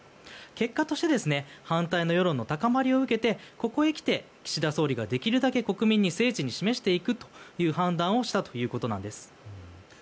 結果として反対の世論の高まりを受けてここへきて岸田総理ができるだけ国民に示していくという判断をしたということです。